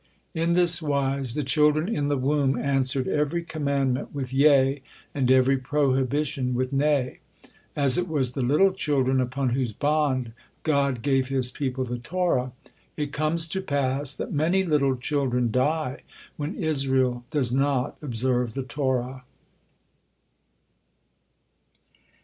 In this wise the children in the womb answered every commandment with "Yea," and every prohibition with "Nay." As it was the little children upon whose bond God gave His people the Torah, it comes to pass that many little children die when Israel does not observe the Torah.